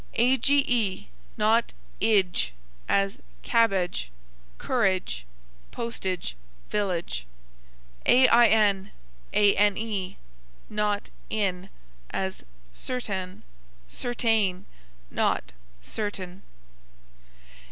age, not idge, as cabbage, courage, postage, village. ain, ane, not in, as certain, certane, not certin.